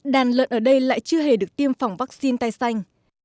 đàn lợn ở đây lại chưa hề được tiêm phòng vaccine tai xanh